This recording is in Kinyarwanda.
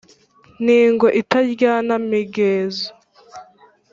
n’ingwe itarwana migezo